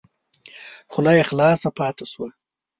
خوله یې خلاصه پاته شوه !